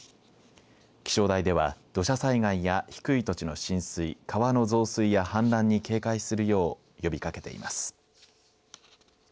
気象台では土砂災害や低い土地の浸水川の増水や氾濫に警戒するよう呼びかけています。